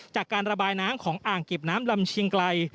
จากการระบายน้ำของอ่างเก็บน้ำลำเชียงไกล